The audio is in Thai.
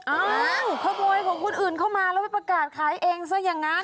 อ้าวขโมยของคนอื่นเข้ามาแล้วไปประกาศขายเองซะอย่างนั้น